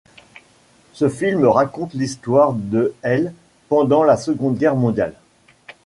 Ce film raconte l'histoire de l' pendant la Seconde Guerre mondiale.